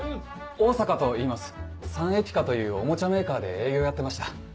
坂といいますサンエピカというおもちゃメーカーで営業やってました。